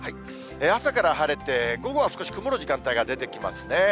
朝から晴れて、午後は少し曇る時間帯が出てきますね。